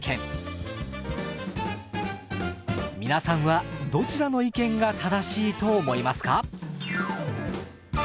皆さんはどちらの意見が正しいと思いますか？